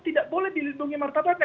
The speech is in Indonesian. tidak boleh dilindungi markat tuhan